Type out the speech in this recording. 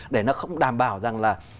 để nó không đảm bảo rằng là